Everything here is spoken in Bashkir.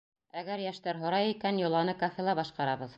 Әгәр йәштәр һорай икән, йоланы кафела башҡарабыҙ.